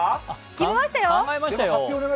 決めましたよ。